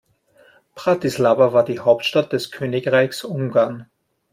Bratislava war die Hauptstadt des Königreichs Ungarn.